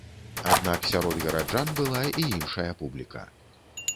Аднак сярод гараджан была і іншая публіка.